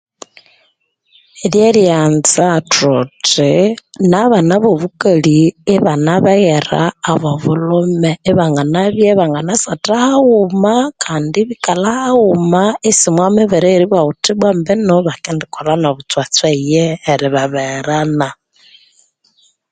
Lyeryanza thuthi nabana abobukali ibanabeghera abobulhume ibanganabya ibanganasatha haghuma kandi ibikalha haghuma isimwamibere eyeribughaghuthi bwa mbwino bakendikolha nobutswatwa eyihi eribabegherana.